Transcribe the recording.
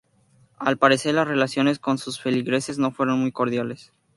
Al parecer, las relaciones con sus feligreses no fueron muy cordiales.